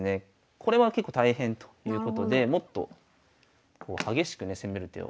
これは結構大変ということでもっと激しくね攻める手を。